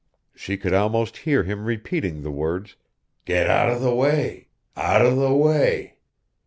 She could almost hear him repeating the words, "Get out of the way, out of the way...."